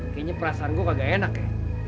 kayaknya perasaan gue gak enak ya